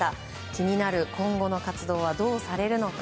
気になる今後の活動はどうされるのか。